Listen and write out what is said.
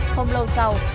không lâu sau